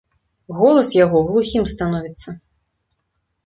Голас яго глухім становіцца.